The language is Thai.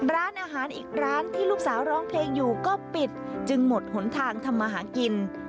ร้านอาหารอีกร้านที่ลูกสาวร้องเพลงอยู่ก็ปิดจึงหมดหนทางทำมาหากิน